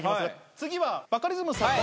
次はバカリズムさんの。